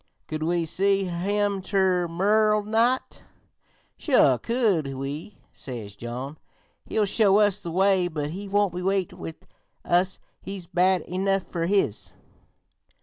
Could we see him ter morrer night?' 'Sure could we,' says John; 'he'll show us the way, but he won't wait with us; he's bad enough fer his.'